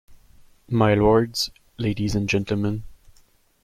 My lords, ladies and gentlemen.